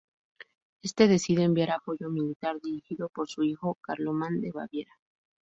Este decide enviar apoyo militar dirigido por su hijo, Carlomán de Baviera.